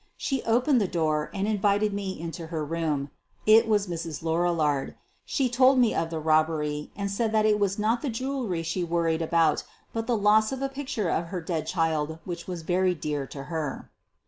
She opened the door and invited me into her room. It was Mrs. Lorillard. She told me of the robbery and said that it was not the jewelry she worried about but the loss of a pic ture of her dead child which was very dear to her.